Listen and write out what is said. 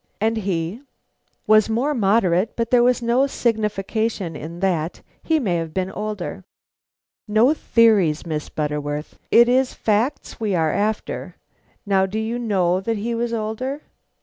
"And he?" "Was more moderate; but there is no signification in that; he may have been older." "No theories, Miss Butterworth; it is facts we are after. Now, do you know that he was older?"